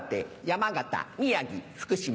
山形宮城福島。